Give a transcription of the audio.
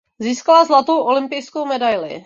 Získala zlatou olympijskou medaili.